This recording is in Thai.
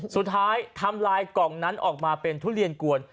ทำลายกล่องนั้นออกมาเป็นทุเรียนกวน